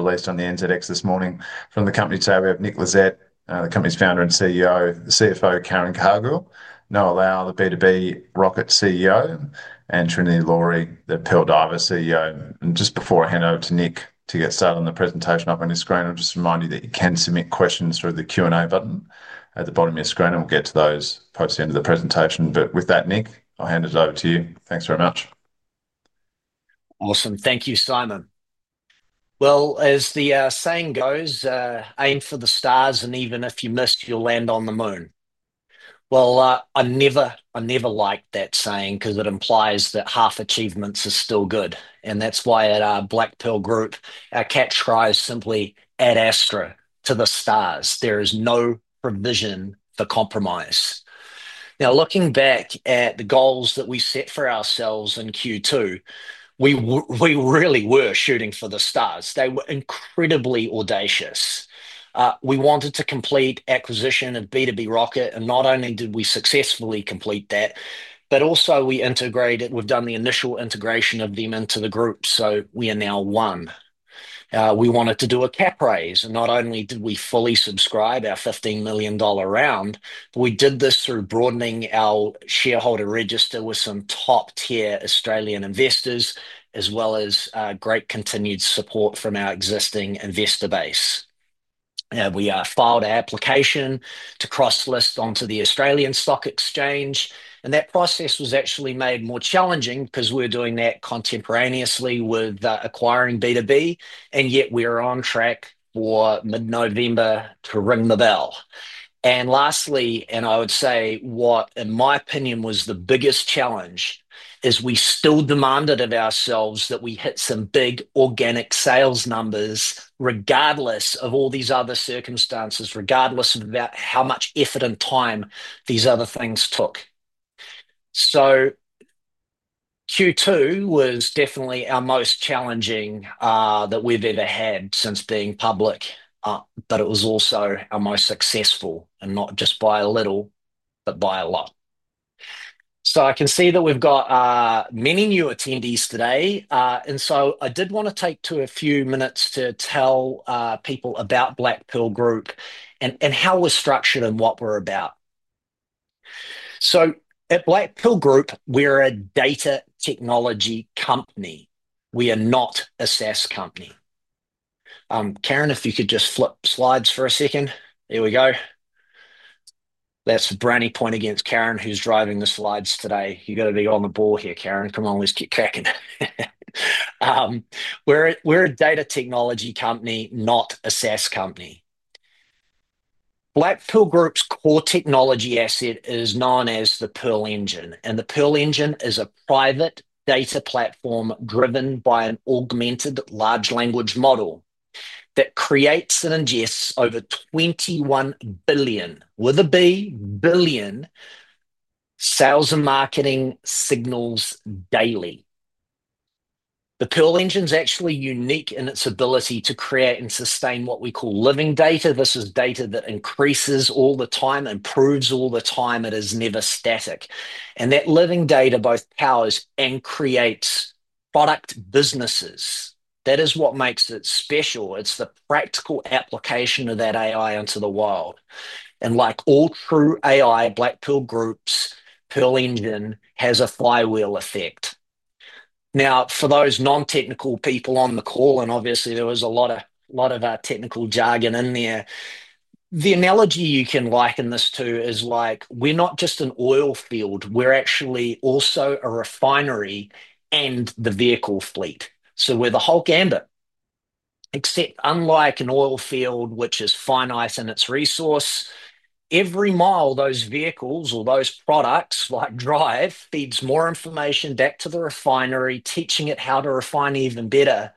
We're released on the NZX this morning from the company today. We have Nick Lissette, the company's Founder and CEO, the CFO Karen Cargill, Noah Loul, the B2B Rocket CEO, and Trinity Lawry, the Pearl Diver CEO. Just before I hand over to Nick to get started on the presentation up on your screen, I'll remind you that you can submit questions through the Q&A button at the bottom of your screen, and we'll get to those post the end of the presentation. With that, Nick, I'll hand it over to you. Thanks very much. Awesome. Thank you, Simon. As the saying goes, aim for the stars, and even if you miss, you'll land on the moon. I never liked that saying because it implies that half achievements are still good. That's why at our Black Pearl Group, our catchphrase is simply "ad astra to the stars." There is no provision for compromise. Looking back at the goals that we set for ourselves in Q2, we really were shooting for the stars. They were incredibly audacious. We wanted to complete acquisition of B2B Rocket, and not only did we successfully complete that, but also we integrated, we've done the initial integration of them into the group, so we are now one. We wanted to do a cap raise, and not only did we fully subscribe our 15 million dollar round, but we did this through broadening our shareholder register with some top-tier Australian investors, as well as great continued support from our existing investor base. We filed our application to cross-list onto the Australian Stock Exchange, and that process was actually made more challenging because we're doing that contemporaneously with acquiring B2B, and yet we are on track for mid-November to ring the bell. Lastly, and I would say what, in my opinion, was the biggest challenge, is we still demanded of ourselves that we hit some big organic sales numbers regardless of all these other circumstances, regardless of about how much effort and time these other things took. Q2 was definitely our most challenging that we've ever had since being public, but it was also our most successful, and not just by a little, but by a lot. I can see that we've got many new attendees today, and I did want to take a few minutes to tell people about Black Pearl Group and how we're structured and what we're about. At Black Pearl Group, we're a data technology company. We are not a SaaS company. Karen, if you could just flip slides for a second. Here we go. That's for brownie point against Karen, who's driving the slides today. You got to be on the ball here, Karen. Come on, let's keep cracking. We're a data technology company, not a SaaS company. Black Pearl Group's core technology asset is known as the Pearl Engine, and the Pearl Engine is a private data platform driven by an augmented large language model that creates and ingests over 21 billion, with a B, billion, sales and marketing signals daily. The Pearl Engine is actually unique in its ability to create and sustain what we call living data. This is data that increases all the time, improves all the time. It is never static. That living data both powers and creates product businesses. That is what makes it special. It's the practical application of that AI into the world. Like all true AI, Black Pearl Group's Pearl Engine has a flywheel effect. For those non-technical people on the call, and obviously there was a lot of technical jargon in there, the analogy you can liken this to is like, we're not just an oil field, we're actually also a refinery and the vehicle fleet. We're the Hulk and it. Except unlike an oil field, which is finite in its resource, every mile those vehicles or those products drive feeds more information back to the refinery, teaching it how to refine even better,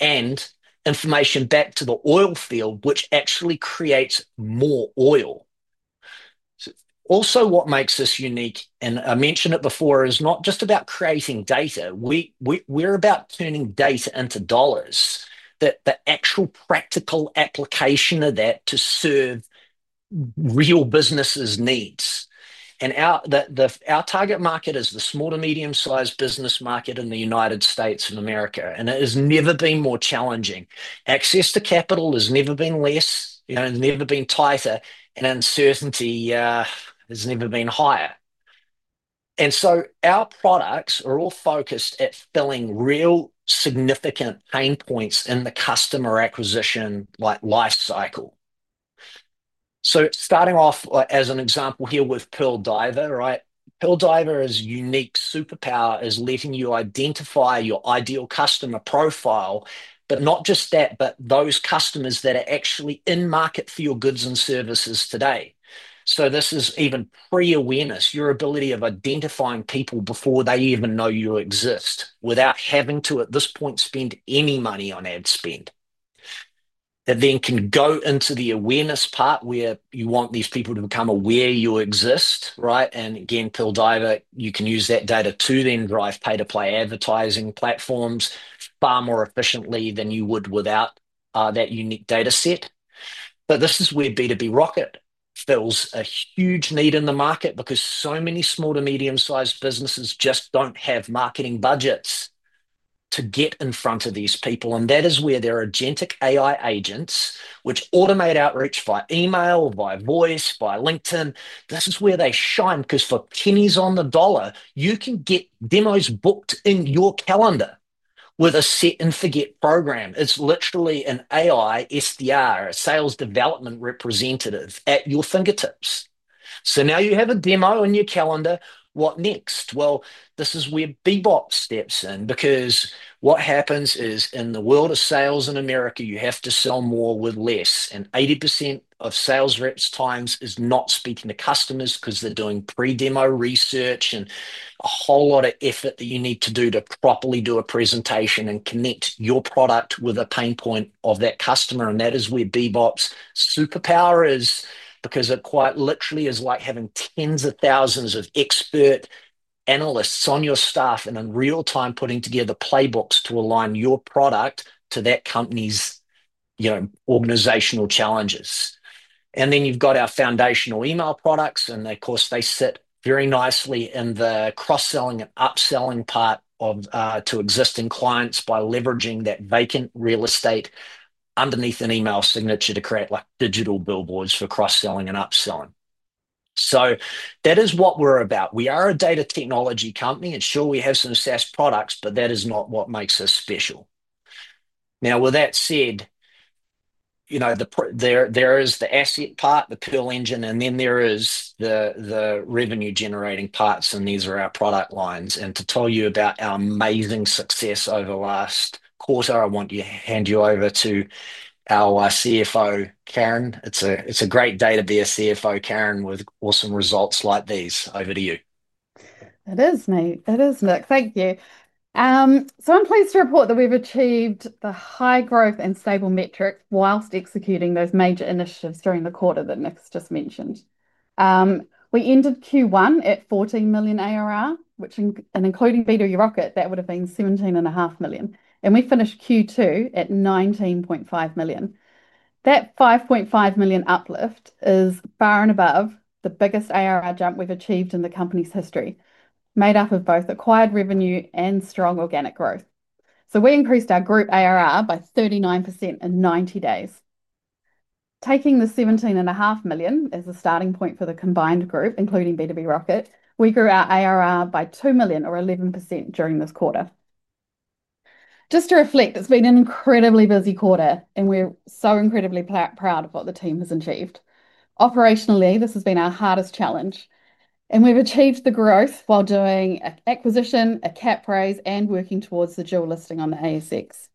and information back to the oil field, which actually creates more oil. Also, what makes us unique, and I mentioned it before, is not just about creating data. We're about turning data into dollars, the actual practical application of that to serve real businesses' needs. Our target market is the small and medium-sized business market in the United States of America, and it has never been more challenging. Access to capital has never been tighter, and uncertainty has never been higher. Our products are all focused at filling real significant pain points in the customer acquisition lifecycle. Starting off as an example here with Pearl Diver, right? Pearl Diver's unique superpower is letting you identify your ideal customer profile, but not just that, but those customers that are actually in market for your goods and services today. This is even pre-awareness, your ability of identifying people before they even know you exist, without having to, at this point, spend any money on ad spend. It then can go into the awareness part where you want these people to become aware you exist, right? Pearl Diver, you can use that data to then drive pay-to-play advertising platforms far more efficiently than you would without that unique data set. This is where B2B Rocket fills a huge need in the market because so many small and medium-sized businesses just don't have marketing budgets to get in front of these people. That is where their agentic AI agents, which automate outreach via email, via voice, via LinkedIn, shine because for pennies on the dollar, you can get demos booked in your calendar with a set and forget program. It's literally an AI SDR, a sales development representative at your fingertips. Now you have a demo in your calendar. What next? This is where Bebop steps in because what happens is in the world of sales in America, you have to sell more with less. 80% of sales reps' time is not speaking to customers because they're doing pre-demo research and a whole lot of effort that you need to do to properly do a presentation and connect your product with a pain point of that customer. That is where Bebop's superpower is because it quite literally is like having tens of thousands of expert analysts on your staff and in real time putting together playbooks to align your product to that company's organizational challenges. Then you've got our foundational email products, and of course they sit very nicely in the cross-selling and upselling part to existing clients by leveraging that vacant real estate underneath an email signature to create digital billboards for cross-selling and upselling. That is what we're about. We are a data technology company. It's sure we have some SaaS products, but that is not what makes us special. Now, with that said, there is the asset part, the Pearl Engine, and then there is the revenue-generating parts, and these are our product lines. To tell you about our amazing success over the last quarter, I want to hand you over to our CFO, Karen. It's a great day to be a CFO, Karen, with awesome results like these. Over to you. It is me. It is Nick. Thank you. I'm pleased to report that we've achieved the high growth and stable metric whilst executing those major initiatives during the quarter that Nick just mentioned. We ended Q1 at 14 million ARR, which, including B2B Rocket, would have been 17.5 million. We finished Q2 at 19.5 million. That 5.5 million uplift is by and above the biggest ARR jump we've achieved in the company's history, made up of both acquired revenue and strong organic growth. We increased our group ARR by 39% in 90 days. Taking the 17.5 million as a starting point for the combined group, including B2B Rocket, we grew our ARR by 2 million or 11% during this quarter. Just to reflect, it's been an incredibly busy quarter, and we're so incredibly proud of what the team has achieved. Operationally, this has been our hardest challenge, and we've achieved the growth while doing an acquisition, a cap raise, and working towards the dual listing on the ASX.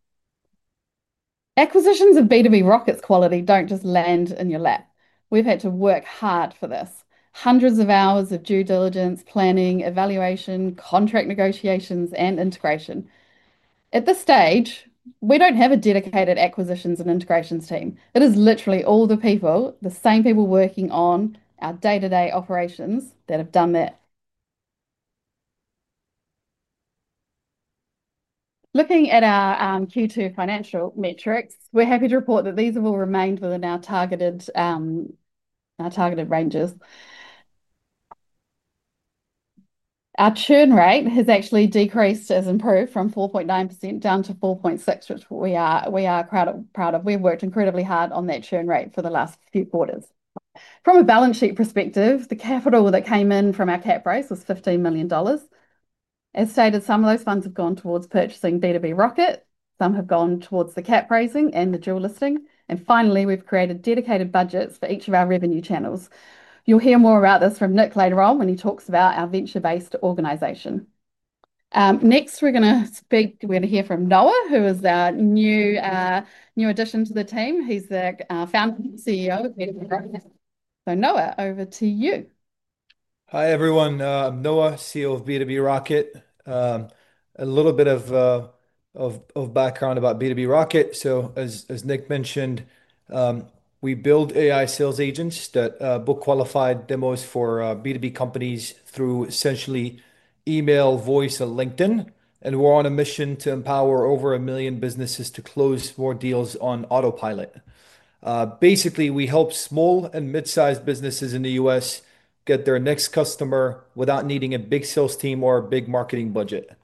Acquisitions of B2B Rocket's quality don't just land in your lap. We've had to work hard for this. Hundreds of hours of due diligence, planning, evaluation, contract negotiations, and integration. At this stage, we don't have a dedicated acquisitions and integrations team. That is literally all the people, the same people working on our day-to-day operations that have done that. Looking at our Q2 financial metrics, we're happy to report that these have all remained within our targeted ranges. Our churn rate has actually decreased, has improved from 4.9% down to 4.6%, which we are proud of. We've worked incredibly hard on that churn rate for the last few quarters. From a balance sheet perspective, the capital that came in from our cap raise was 15 million dollars. As stated, some of those funds have gone towards purchasing B2B Rocket, some have gone towards the cap raising and the dual listing, and finally, we've created dedicated budgets for each of our revenue channels. You'll hear more about this from Nick later on when he talks about our venture-based organization. Next, we're going to hear from Noah, who is our new addition to the team. He's the Founder and CEO of B2B Rocket. Noah, over to you. Hi everyone. I'm Noah, CEO of B2B Rocket. A little bit of background about B2B Rocket. As Nick mentioned, we build AI sales agents that book qualified demos for B2B companies through essentially email, voice, or LinkedIn. We're on a mission to empower over a million businesses to close more deals on autopilot. Basically, we help small and mid-sized businesses in the U.S. get their next customer without needing a big sales team or a big marketing budget.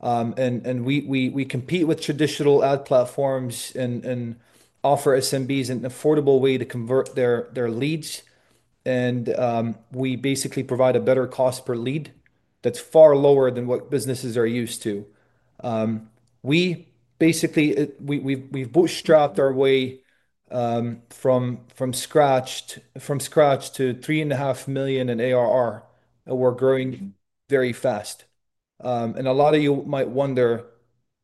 We compete with traditional ad platforms and offer SMBs an affordable way to convert their leads. We provide a better cost per lead that's far lower than what businesses are used to. We've bootstrapped our way from scratch to 3.5 million in ARR, and we're growing very fast. A lot of you might wonder,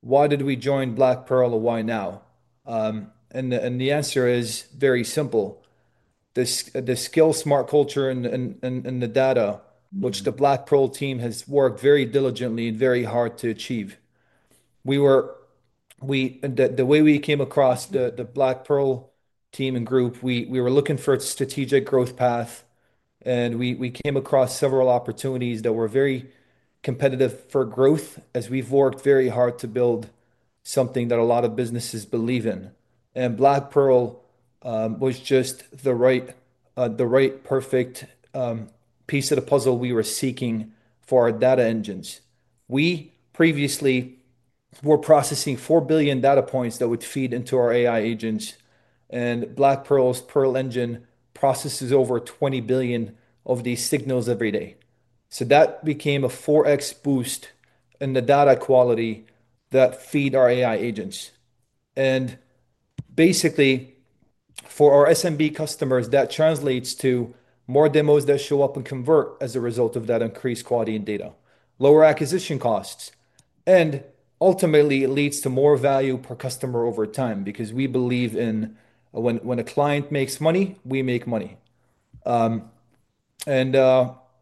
why did we join Black Pearl and why now? The answer is very simple. The skill, smart culture, and the data, which the Black Pearl team has worked very diligently and very hard to achieve. The way we came across the Black Pearl team and group, we were looking for a strategic growth path, and we came across several opportunities that were very competitive for growth, as we've worked very hard to build something that a lot of businesses believe in. Black Pearl was just the right, the right perfect piece of the puzzle we were seeking for our data engines. We previously were processing 4 billion data points that would feed into our AI agents, and Black Pearl's Pearl Engine processes over 20 billion of these signals every day. That became a 4x boost in the data quality that feed our AI agents. For our SMB customers, that translates to more demos that show up and convert as a result of that increased quality in data, lower acquisition costs, and ultimately it leads to more value per customer over time because we believe when a client makes money, we make money.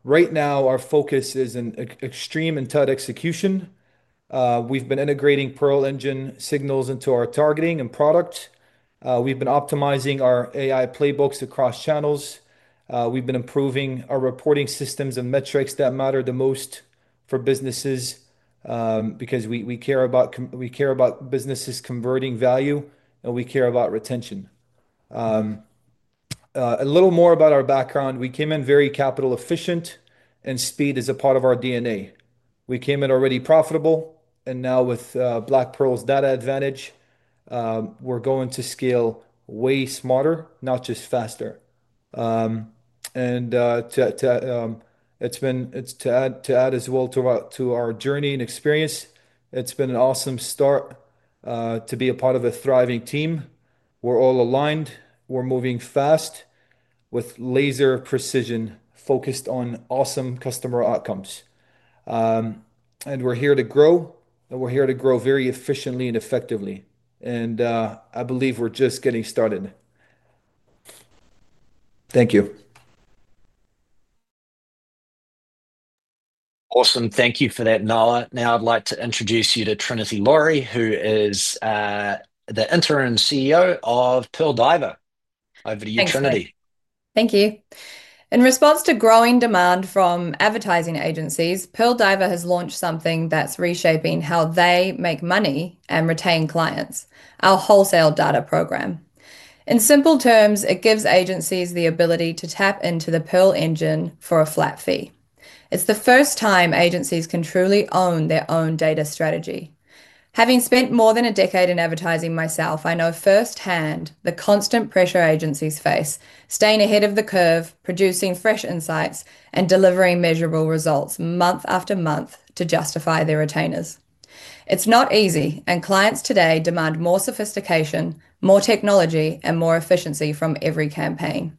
Right now, our focus is in extreme and tight execution. We've been integrating Pearl Engine signals into our targeting and product. We've been optimizing our AI playbooks across channels. We've been improving our reporting systems and metrics that matter the most for businesses because we care about businesses converting value, and we care about retention. A little more about our background. We came in very capital efficient, and speed is a part of our DNA. We came in already profitable, and now with Black Pearl's data advantage, we're going to scale way smarter, not just faster. To add as well to our journey and experience, it's been an awesome start to be a part of a thriving team. We're all aligned. We're moving fast with laser precision, focused on awesome customer outcomes. We're here to grow, and we're here to grow very efficiently and effectively. I believe we're just getting started. Thank you. Awesome. Thank you for that, Noah. Now I'd like to introduce you to Trinity Lawry, who is the Interim CEO of Pearl Diver. Over to you, Trinity. Thank you. In response to growing demand from advertising agencies, Pearl Diver has launched something that's reshaping how they make money and retain clients, our wholesale data program. In simple terms, it gives agencies the ability to tap into the Pearl Engine for a flat fee. It's the first time agencies can truly own their own data strategy. Having spent more than a decade in advertising myself, I know firsthand the constant pressure agencies face, staying ahead of the curve, producing fresh insights, and delivering measurable results month after month to justify their retainers. It's not easy, and clients today demand more sophistication, more technology, and more efficiency from every campaign.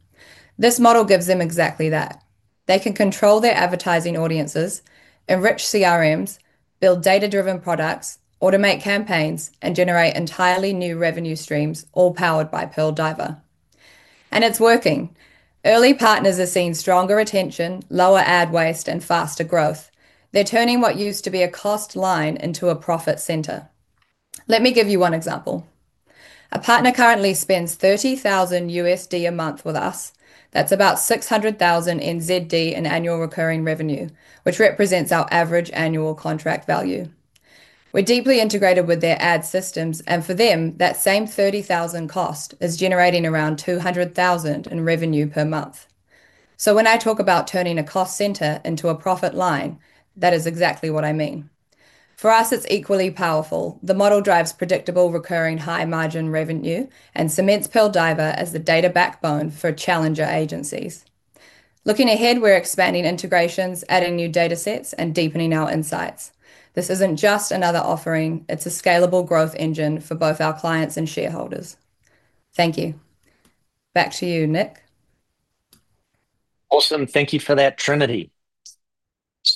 This model gives them exactly that. They can control their advertising audiences, enrich CRMs, build data-driven products, automate campaigns, and generate entirely new revenue streams, all powered by Pearl Diver. It's working. Early partners are seeing stronger retention, lower ad waste, and faster growth. They're turning what used to be a cost line into a profit center. Let me give you one example. A partner currently spends $30,000 a month with us. That's about 600,000 NZD in annual recurring revenue, which represents our average annual contract value. We're deeply integrated with their ad systems, and for them, that same $30,000 cost is generating around $200,000 in revenue per month. When I talk about turning a cost center into a profit line, that is exactly what I mean. For us, it's equally powerful. The model drives predictable recurring high margin revenue and cements Pearl Diver as the data backbone for challenger agencies. Looking ahead, we're expanding integrations, adding new data sets, and deepening our insights. This isn't just another offering. It's a scalable growth engine for both our clients and shareholders. Thank you. Back to you, Nick. Awesome. Thank you for that, Trinity.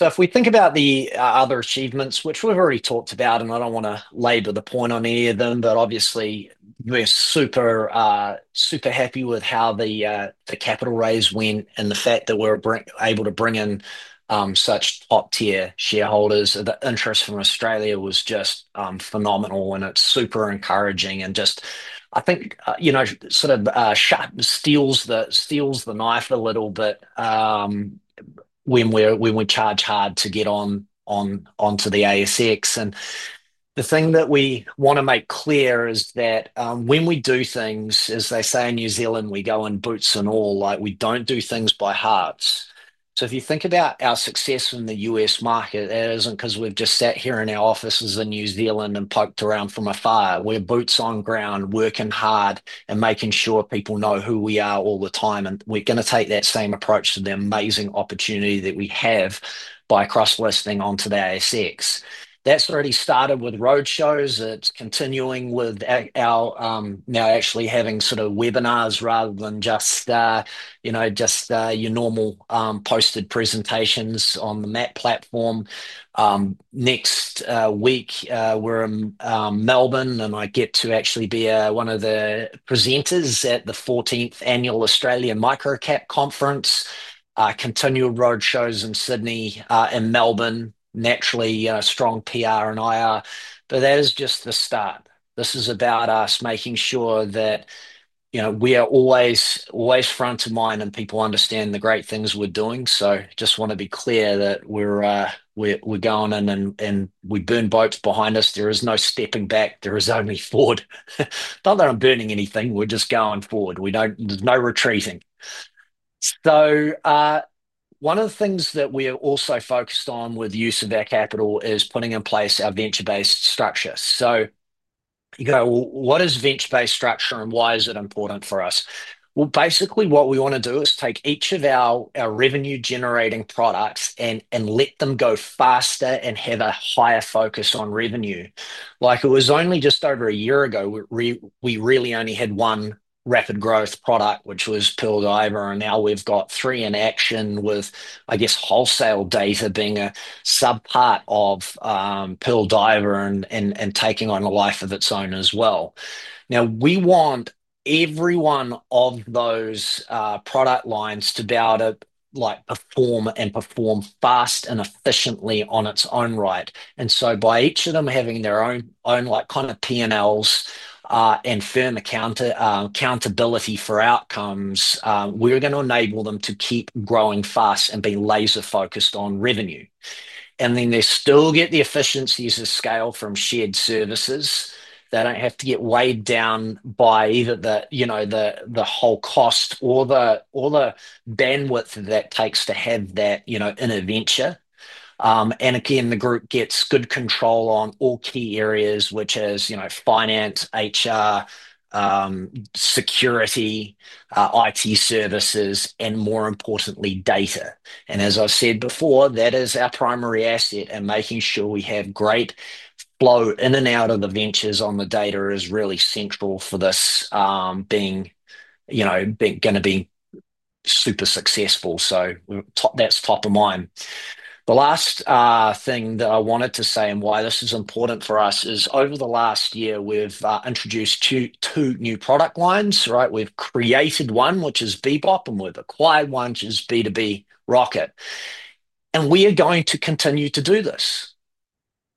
If we think about the other achievements, which we've already talked about, I don't want to labor the point on any of them, but obviously we're super happy with how the capital raise went and the fact that we're able to bring in such top-tier shareholders. The interest from Australia was just phenomenal, and it's super encouraging. I think, you know, sort of sharp steals the knife a little bit when we charge hard to get onto the ASX. The thing that we want to make clear is that when we do things, as they say in New Zealand, we go in boots and all, like we don't do things by half. If you think about our success in the U.S. market, it isn't because we've just sat here in our offices in New Zealand and poked around from afar. We're boots on ground, working hard, and making sure people know who we are all the time. We're going to take that same approach to the amazing opportunity that we have by cross-listing onto the ASX. That's already started with roadshows. It's continuing with our now actually having sort of webinars rather than just your normal posted presentations on the MAP platform. Next week, we're in Melbourne, and I get to actually be one of the presenters at the 14th Annual Australian Microcap Conference, continue roadshows in Sydney and Melbourne. Naturally, strong PR and IR, but that is just the start. This is about us making sure that we are always, always front of mind and people understand the great things we're doing. I just want to be clear that we're going in and we burn boats behind us. There is no stepping back. There is only forward. It's not that I'm burning anything. We're just going forward. We don't, there's no retreating. One of the things that we are also focused on with the use of our capital is putting in place our venture-based organizational structure. You go, what is venture-based organizational structure and why is it important for us? Basically what we want to do is take each of our revenue-generating products and let them go faster and have a higher focus on revenue. Like it was only just over a year ago, we really only had one rapid growth product, which was Pearl Diver, and now we've got three in action with, I guess, wholesale data being a subpart of Pearl Diver and taking on a life of its own as well. Now we want every one of those product lines to be able to perform and perform fast and efficiently on its own right. By each of them having their own kind of P&Ls and firm accountability for outcomes, we're going to enable them to keep growing fast and be laser-focused on revenue. They still get the efficiencies of scale from shared services. They don't have to get weighed down by either the whole cost or the bandwidth that takes to have that in a venture. The group gets good control on all key areas, which is finance, HR, security, IT services, and more importantly, data. As I said before, that is our primary asset and making sure we have great flow in and out of the ventures on the data is really central for this being going to be super successful. That's top of mind. The last thing that I wanted to say and why this is important for us is over the last year, we've introduced two new product lines, right? We've created one, which is Bebop, and we've acquired one, which is B2B Rocket. We are going to continue to do this.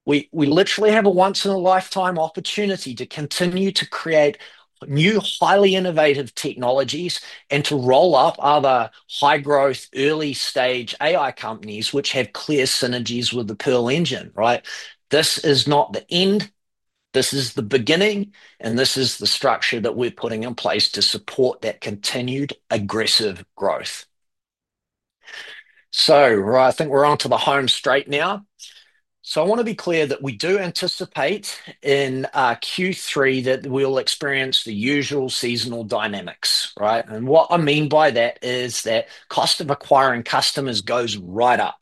We literally have a once-in-a-lifetime opportunity to continue to create new, highly innovative technologies and to roll up other high-growth, early-stage AI companies, which have clear synergies with the Pearl Engine, right? This is not the end. This is the beginning, and this is the structure that we're putting in place to support that continued aggressive growth. I think we're onto the home straight now. I want to be clear that we do anticipate in Q3 that we'll experience the usual seasonal dynamics, right? What I mean by that is that cost of acquiring customers goes right up.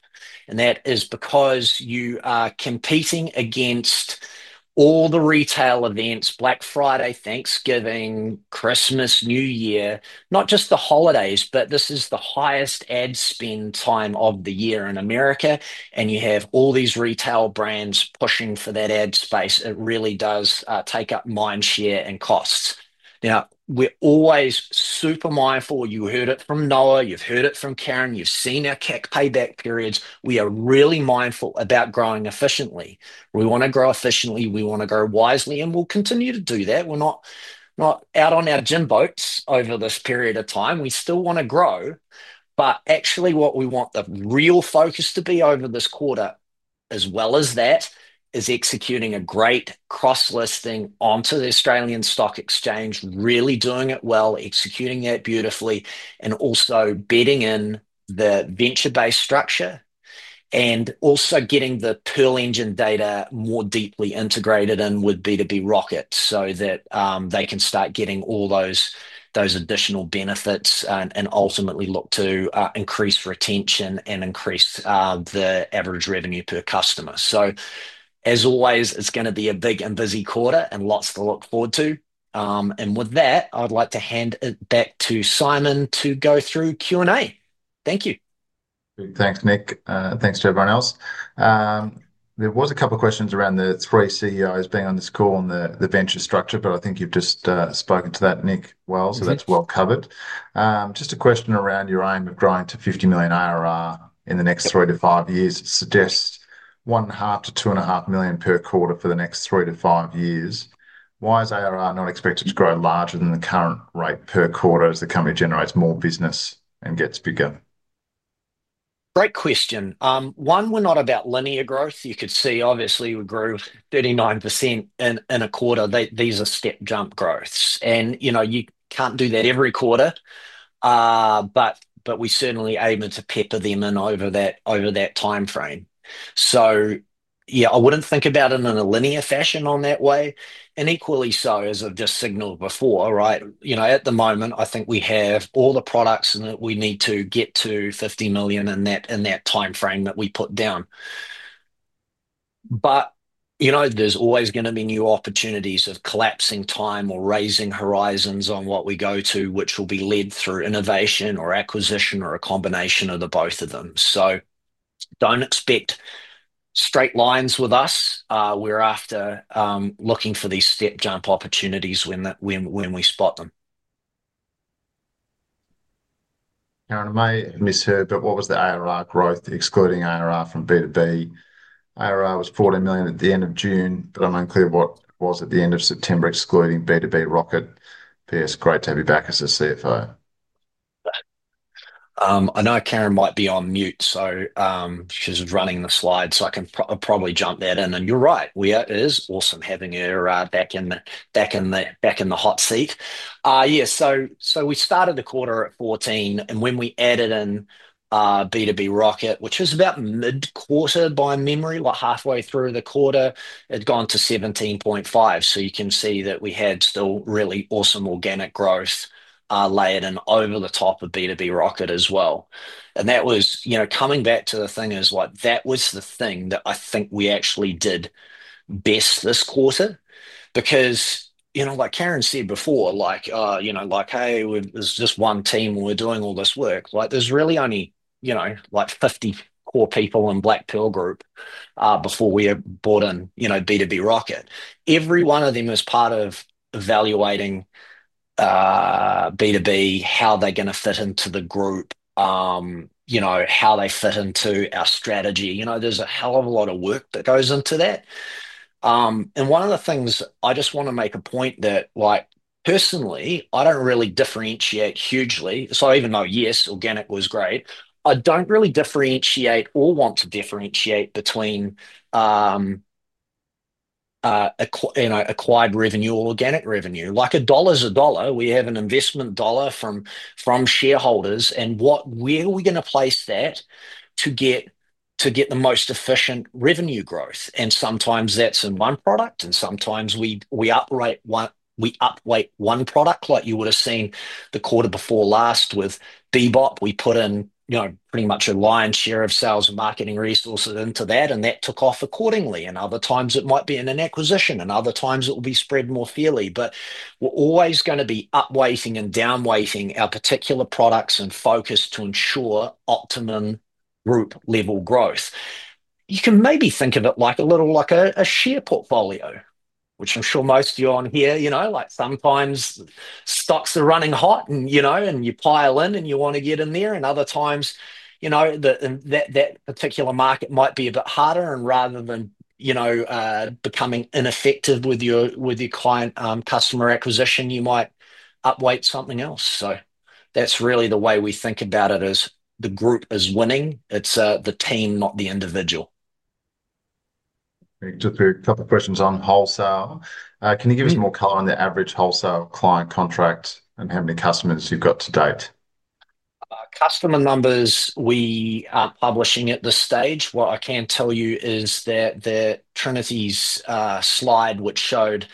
That is because you are competing against all the retail events, Black Friday, Thanksgiving, Christmas, New Year, not just the holidays, but this is the highest ad spend time of the year in America. You have all these retail brands pushing for that ad space. It really does take up mind share and costs. We're always super mindful. You heard it from Noah. You've heard it from Karen. You've seen our CAC payback periods. We are really mindful about growing efficiently. We want to grow efficiently. We want to grow wisely, and we'll continue to do that. We're not out on our gym boats over this period of time. We still want to grow, but actually what we want the real focus to be over this quarter, as well as that, is executing a great cross-listing onto the Australian Stock Exchange, really doing it well, executing it beautifully, and also building in the venture-based structure and also getting the Pearl Engine data more deeply integrated in with B2B Rocket so that they can start getting all those additional benefits and ultimately look to increase retention and increase the average revenue per customer. It's going to be a big and busy quarter and lots to look forward to. With that, I'd like to hand it back to Simon to go through Q&A. Thank you. Thanks, Nick. Thanks to everyone else. There were a couple of questions around the three CEOs being on this call and the venture structure, but I think you've just spoken to that, Nick, that's well covered. Just a question around your aim of growing to 50 million ARR in the next three to five years. It suggests 1.5-2.5 million per quarter for the next three to five years. Why is ARR not expected to grow larger than the current rate per quarter as the company generates more business and gets bigger? Great question. One, we're not about linear growth. You could see obviously we grew 39% in a quarter. These are step jump growths. You can't do that every quarter, but we certainly aim to pepper them in over that timeframe. I wouldn't think about it in a linear fashion in that way. Equally, as I've just signaled before, at the moment, I think we have all the products that we need to get to 50 million in that timeframe that we put down. There's always going to be new opportunities of collapsing time or raising horizons on what we go to, which will be led through innovation or acquisition or a combination of both of them. Don't expect straight lines with us. We're after looking for these step jump opportunities when we spot them. Karen, I may have misheard, but what was the ARR growth excluding ARR from B2B? ARR was 40 million at the end of June, but I'm unclear what it was at the end of September excluding B2B Rocket. P.S., great to have you back as CFO. I know Karen might be on mute, so she's running the slide, so I can probably jump that in. You're right, it is awesome having her back in the hot seat. We started the quarter at 14 million, and when we added in B2B Rocket, which was about mid-quarter by memory, like halfway through the quarter, it had gone to 17.5 million. You can see that we had still really awesome organic growth layered in over the top of B2B Rocket as well. That was, you know, coming back to the thing, that was the thing that I think we actually did best this quarter because, you know, like Karen said before, like, you know, like, hey, there's just one team and we're doing all this work. There's really only, you know, like 50 core people in Black Pearl Group before we brought in, you know, B2B Rocket. Every one of them is part of evaluating B2B, how they're going to fit into the group, you know, how they fit into our strategy. There's a hell of a lot of work that goes into that. One of the things I just want to make a point that, like, personally, I don't really differentiate hugely. Even though, yes, organic was great, I don't really differentiate or want to differentiate between, you know, acquired revenue or organic revenue. A dollar's a dollar, we have an investment dollar from shareholders, and where are we going to place that to get the most efficient revenue growth? Sometimes that's in one product, and sometimes we upweight one product. Like you would have seen the quarter before last with Bebop, we put in, you know, pretty much a lion's share of sales and marketing resources into that, and that took off accordingly. Other times it might be in an acquisition, and other times it will be spread more fairly, but we're always going to be upweighting and downweighting our particular products and focus to ensure optimum group level growth. You can maybe think of it a little like a share portfolio, which I'm sure most of you are on here, you know, like sometimes stocks are running hot and, you know, and you pile in and you want to get in there, and other times, you know, that particular market might be a bit harder, and rather than becoming ineffective with your client customer acquisition, you might upweight something else. That's really the way we think about it as the group is winning. It's the team, not the individual. Just a couple of questions on wholesale. Can you give us more color on the average wholesale client contract, and how many customers you've got to date? Customer numbers we aren't publishing at this stage. What I can tell you is that Trinity's slide, which showed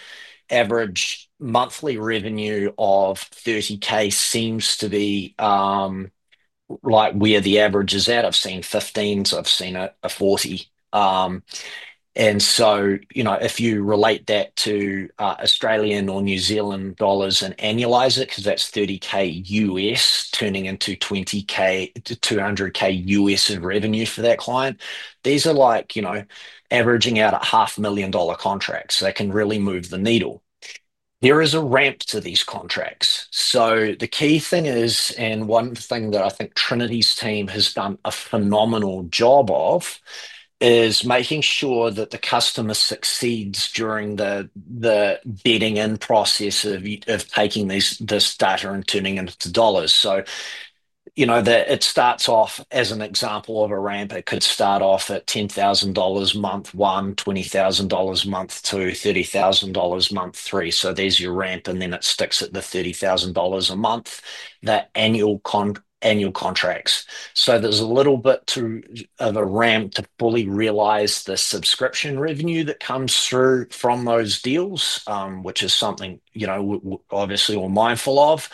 average monthly revenue of $30,000, seems to be like where the average is at. I've seen $15,000s, I've seen a $40,000. If you relate that to Australian or New Zealand dollars and annualize it, because that's $30,000 turning into $200,000 of revenue for that client, these are averaging out at $500,000 contracts. They can really move the needle. There is a ramp to these contracts. The key thing is, and one thing that I think Trinity's team has done a phenomenal job of, is making sure that the customer succeeds during the bidding in process of taking this data and turning it into dollars. It starts off as an example of a ramp. It could start off at $10,000 month one, $20,000 month two, $30,000 month three. There's your ramp, and then it sticks at the $30,000 a month, the annual contracts. There's a little bit of a ramp to fully realize the subscription revenue that comes through from those deals, which is something we're obviously all mindful of.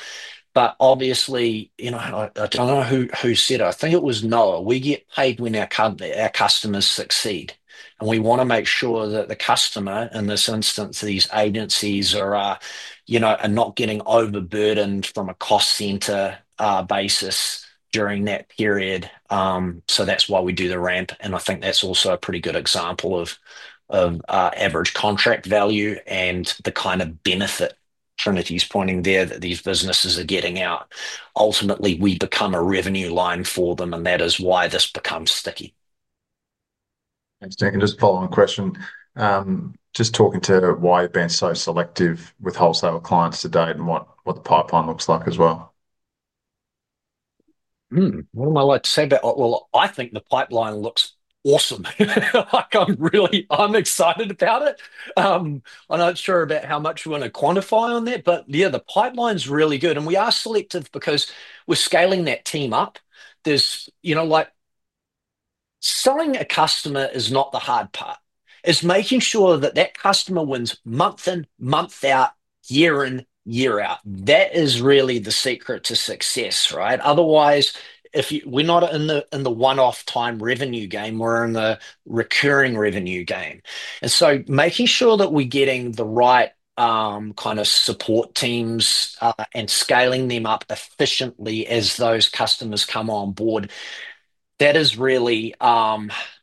I don't know who said it, I think it was Noah. We get paid when our customers succeed. We want to make sure that the customer, in this instance, these agencies, are not getting overburdened from a cost center basis during that period. That's why we do the ramp. I think that's also a pretty good example of average contract value and the kind of benefit Trinity is pointing there that these businesses are getting out. Ultimately, we become a revenue line for them, and that is why this becomes sticky. Thanks, Nick. Just a follow-on question. Just talking to why you've been so selective with wholesale clients to date and what the pipeline looks like as well. I think the pipeline looks awesome. I'm really excited about it. I'm not sure about how much you want to quantify on that, but yeah, the pipeline's really good. We are selective because we're scaling that team up. Selling a customer is not the hard part. It's making sure that customer wins month in, month out, year in, year out. That is really the secret to success, right? Otherwise, if we're not in the one-off time revenue game, we're in the recurring revenue game. Making sure that we're getting the right kind of support teams and scaling them up efficiently as those customers come on board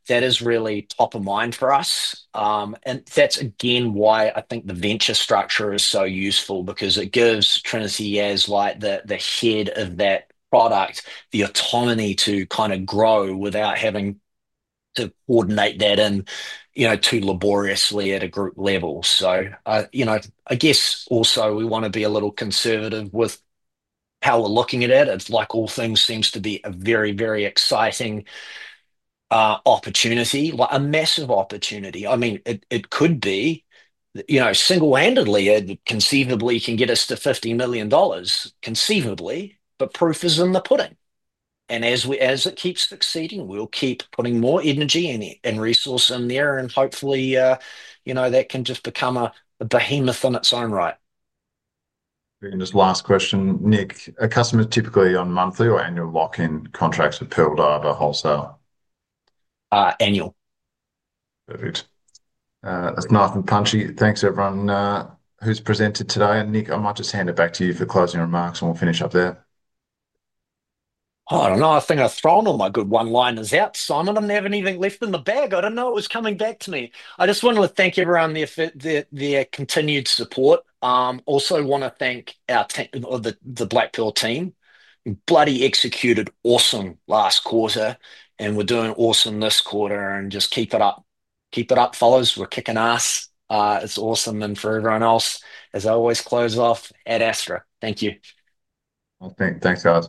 is really top of mind for us. That's again why I think the venture structure is so useful because it gives Trinity, as the head of that product, the autonomy to kind of grow without having to coordinate that in too laboriously at a group level. I guess also we want to be a little conservative with how we're looking at it. All things seem to be a very, very exciting opportunity, like a massive opportunity. I mean, it could be, you know, single-handedly, it conceivably can get us to 50 million dollars, conceivably, but proof is in the pudding. As it keeps succeeding, we'll keep putting more energy and resource in there, and hopefully, that can just become a behemoth in its own right. Just last question, Nick, are customers typically on monthly or annual lock-in contracts with Pearl Diver wholesale? Annual. Perfect. That's nice and punchy. Thanks, everyone, who's presented today. Nick, I might just hand it back to you for closing remarks, and we'll finish up there. I think I've thrown all my good one-liners out. I'm never anything left in the bag. It was coming back to me. I just want to thank everyone there for their continued support. I also want to thank our team, the Black Pearl team. Bloody executed awesome last quarter, and we're doing awesome this quarter. Just keep it up. Keep it up, fellas. We're kicking ass. It's awesome. For everyone else, as I always close off, ad astra. Thank you. Thanks, guys.